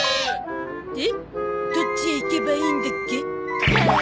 でどっちへ行けばいいんだっけ？